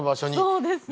そうですね。